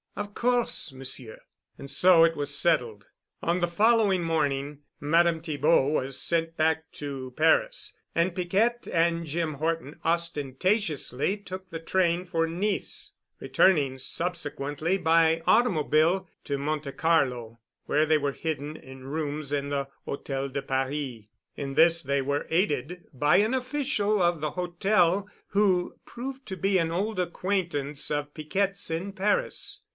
"Of course, Monsieur." And so it was settled. On the following morning Madame Thibaud was sent back to Paris. And Piquette and Jim Horton ostentatiously took the train for Nice, returning subsequently by automobile to Monte Carlo, where they were hidden in rooms in the Hôtel de Paris. In this they were aided by an official of the Hotel who proved to be an old acquaintance of Piquette's in Paris.